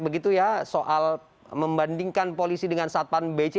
begitu ya soal membandingkan polisi dengan satpan bc